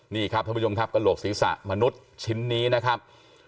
นี่ครับท่านผู้ชมครับกระโหลกศีรษะมนุษย์ชิ้นนี้นะครับ